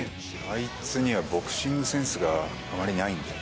あいつにはボクシングセンスがあまりないんで。